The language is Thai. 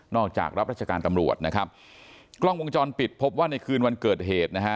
รับราชการตำรวจนะครับกล้องวงจรปิดพบว่าในคืนวันเกิดเหตุนะฮะ